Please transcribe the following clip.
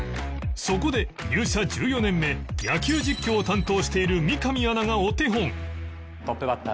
そこで入社１４年目野球実況を担当している三上アナがお手本